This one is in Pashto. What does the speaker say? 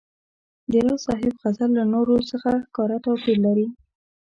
د راز صاحب غزل له نورو څخه ښکاره توپیر لري.